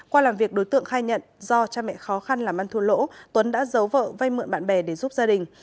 qua làm việc đối tượng khai nhận do cha mẹ khó khăn làm ăn thua lỗ tuấn đã giấu vợ vay mượn bạn bè để giúp gia đình